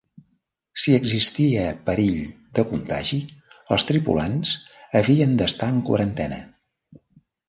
Si existia perill de contagi, els tripulants havien d'estar en quarantena.